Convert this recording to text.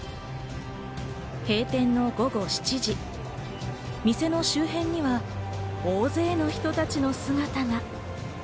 閉店の午後７時、店の周辺には大勢の人たちの姿が。